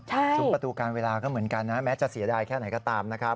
ซุ้มประตูการเวลาก็เหมือนกันนะแม้จะเสียดายแค่ไหนก็ตามนะครับ